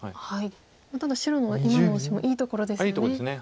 ただ白の今のオシもいいところですね。